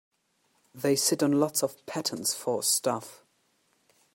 They sit on lots of patents for stuff.